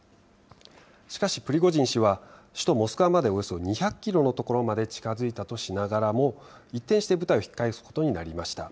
しかしプリゴジン氏は、首都モスクワまで２００キロの所まで所まで近づいたとしながらも、一転して部隊を引き返すことになりました。